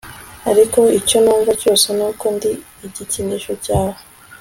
ariko icyo numva cyose nuko ndi igikinisho cyawe